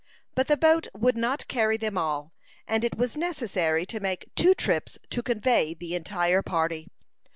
But the boat would not carry them all, and it was necessary to make two trips to convey the entire party.